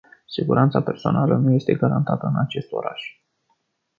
Siguranța personală nu este garantată în acest oraș...